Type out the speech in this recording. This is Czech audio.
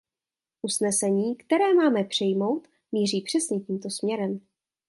Usnesení, které máme přijmout, míří přesně tímto směrem.